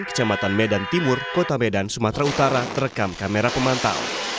kecamatan medan timur kota medan sumatera utara terekam kamera pemantau